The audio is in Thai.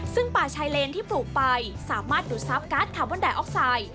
ซึ่งป่าชัยเลนที่ปลูกไปสามารถดูดซับกัสคาร์มอนไดออกไซด์